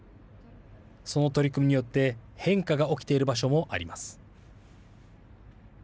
その取り組みによって変化が起きている場所もあります。